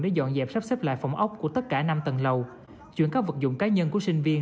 để dọn dẹp sắp xếp lại phòng ốc của tất cả năm tầng lầu chuyển các vật dụng cá nhân của sinh viên